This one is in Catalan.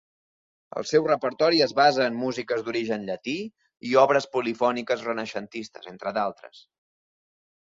El seu repertori es basa en músiques d'origen llatí i obres polifòniques renaixentistes, entre d'altres.